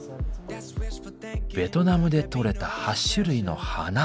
ベトナムで採れた８種類の花。